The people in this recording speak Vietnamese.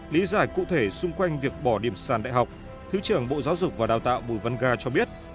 lý giải cụ thể xung quanh việc bỏ điểm sàn đại học thứ trưởng bộ giáo dục và đào tạo bùi văn ga cho biết